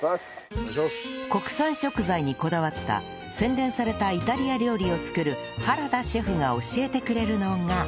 国産食材にこだわった洗練されたイタリア料理を作る原田シェフが教えてくれるのが